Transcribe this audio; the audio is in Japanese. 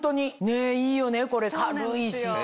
ねぇいいよねこれ軽いしさ。